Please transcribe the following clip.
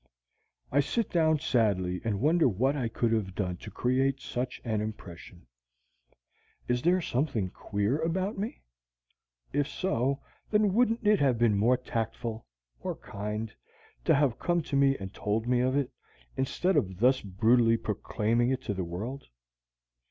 I sit down sadly and wonder what I could have done to create such an impression. Is there something queer about me? If so, then wouldn't it have been more tactful, more kind, to have come to me and told me of it, instead of thus brutally proclaiming it to the world?